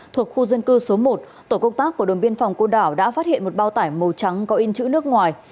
thuộc khu dân cư số một tổ công tác của đồn biên phòng cô đảo đã phát hiện một bao tải màu trắng có in chữ nước ngoài